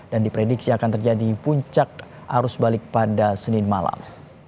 dan diprediksi akan terjadi puncak arus balik pada senin malam